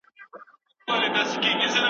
پرشتي د خدای په عبادت بوختي دي.